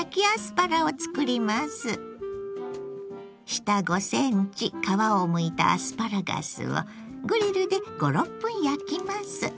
下５ｃｍ皮をむいたアスパラガスをグリルで５６分焼きます。